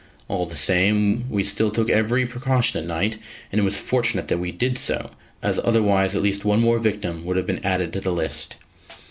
All the same we still took every precaution at night, and it was fortunate that we did so, as otherwise at least one more victim would have been added to the list.